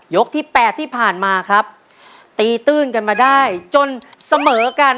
ที่แปดที่ผ่านมาครับตีตื้นกันมาได้จนเสมอกัน